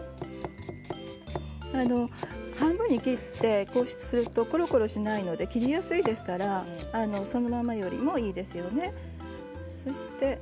半分に切って、こうするとコロコロしないので切りやすいですからそのままよりもいいですよね。